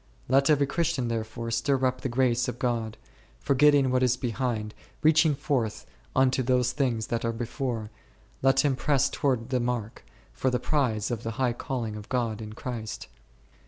Let every Christian therefore stir up the grace of God ; forgetting what is behind, reaching forth unto those things which are before, let him press toward the mark, for the prize of the high calling of God in Christ.